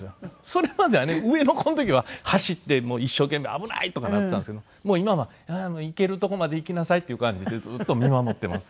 それまではね上の子の時は走って一生懸命「危ない！」とかだったんですけど今は行けるとこまで行きなさいっていう感じでずっと見守っています